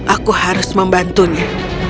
aku harus membantunya